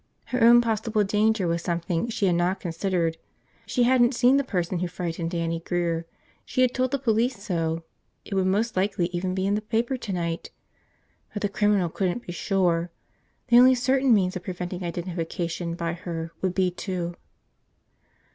Her own possible danger was something she had not considered. She hadn't seen the person who frightened Dannie Grear, she had told the police so; it would most likely even be in the paper tonight! But the criminal couldn't be sure. The only certain means of preventing identification by her would be to .